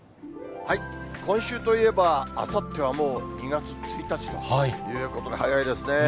今週といえば、あさってはもう２月１日ということで、早いですね。